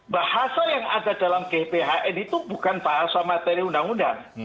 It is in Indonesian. bahasa yang ada dalam gphn itu bukan bahasa materi undang undang